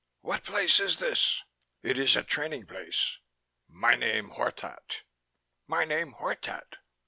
"What place is this?" "It is a training place." "My name Hortat. My name Hortat."